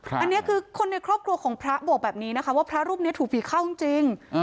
อันนี้คือคนในครอบครัวของพระบอกแบบนี้นะคะว่าพระรูปนี้ถูกผีเข้าจริง